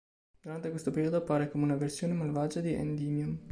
Durante questo periodo, appare come una versione malvagia di Endymion.